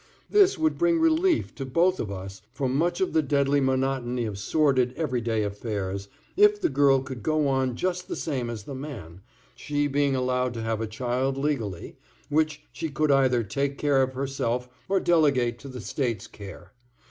This would bring relief to both of us from much of the deadly monotony of sordid, every day affairs, if the girl could go on just the same as the man, she being allowed to have a child legally, which she could either take care of herself or delegate to the State's care.